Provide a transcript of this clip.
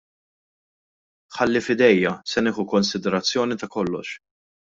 Ħalli f'idejja; se nieħu konsiderazzjoni ta' kollox.